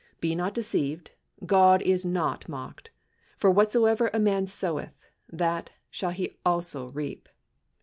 Be not deceived ; God is not mocked : For whatsoever a man soweth, that shall he also reap.